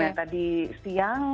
nah tadi siang